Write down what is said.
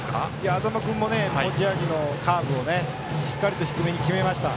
安座間君も持ち味のカーブをしっかりと低めに決めました。